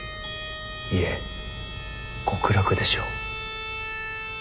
いえ極楽でしょう。